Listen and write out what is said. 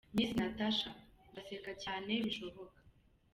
Miss Natacha : Ndaseka cyane bishoboka.